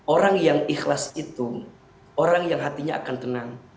orang yang ikhlas itu orang yang hatinya akan tenang